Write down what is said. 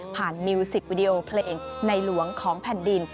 มิวสิกวิดีโอเพลงในหลวงของแผ่นดิน